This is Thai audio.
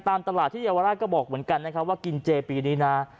ตามตลาดที่เยาวราชก็บอกเหมือนกันนะครับว่ากินเจปีนี้นะ